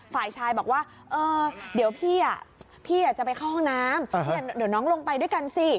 ฝ่ายชายบอกว่าเออเดี๋ยวพี่จะไปเข้าห้องน้ำเดี๋ยวน้องลงไปด้วยกันสิ